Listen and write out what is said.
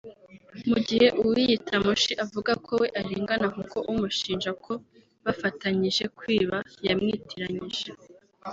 mu gihe uwiyita Mushi avuga ko we arengana kuko umushinja ko bafatanyjie kwiba yamwitiranyije